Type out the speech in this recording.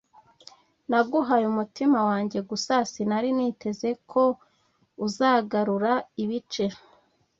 naguhaye umutima wanjye, gusa sinari niteze ko uzagarura ibice